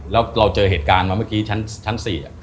แล้วเราเจอเหตุการณ์มาเมื่อกี้ชั้น๔